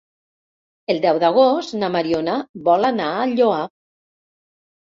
El deu d'agost na Mariona vol anar al Lloar.